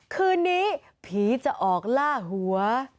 คืนนี้ผีจะออกล่าหัว